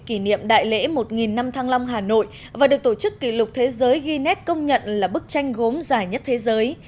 kỷ niệm đại lễ một năm thăng long hà nội và được tổ chức kỷ lục thế giới guinnes công nhận là bức tranh gốm dài nhất thế giới